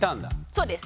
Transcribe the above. そうです。